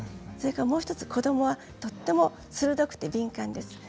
それからもう１つ子どもはとても鋭くて敏感です。